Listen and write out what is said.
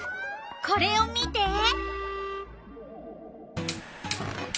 これを見て。